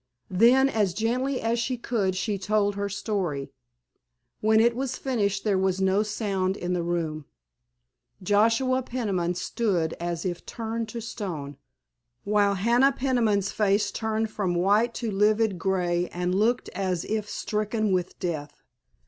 Then, as gently as she could, she told her story. When it was finished there was no sound in the room. Joshua Peniman stood as if turned to stone, while Hannah Peniman's face turned from white to livid grey and looked as if stricken with death.